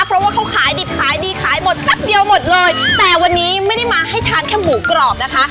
เพราะว่าเขาขายดิบขายดีขายหมดแป๊บเดียวหมดเลยแต่วันนี้ไม่ได้มาให้ทานแค่หมูกรอบนะคะ